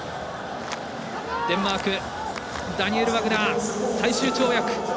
デンマーク、ダニエル・ワグナー最終跳躍。